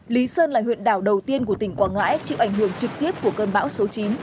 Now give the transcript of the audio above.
lý sơn là huyện đảo đầu tiên của tỉnh quảng ngãi chịu ảnh hưởng trực tiếp của cơn bão số chín